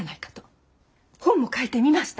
台本も書いてみました。